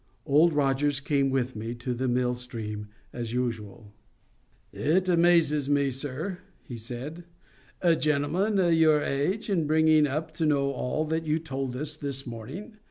Old Rogers came with me to the mill stream as usual. "It 'mazes me, sir," he said, "a gentleman o' your age and bringin' up to know all that you tould us this mornin'.